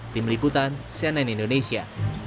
tim liputan cnn indonesia